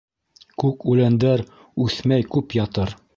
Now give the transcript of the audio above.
Күк үләндәр үҫмәй күп ятыр.